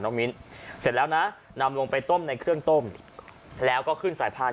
มิ้นเสร็จแล้วนะนำลงไปต้มในเครื่องต้มแล้วก็ขึ้นสายพาน